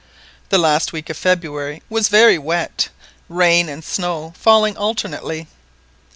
The last week of February was very wet, rain and snow falling alternately.